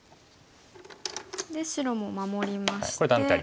で白も守りまして。